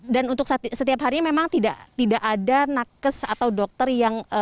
dan untuk setiap harinya memang tidak ada nakkes atau dokter yang